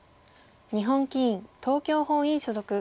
日本棋院東京本院所属。